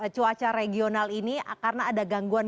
cuaca regional ini karena ada gangguan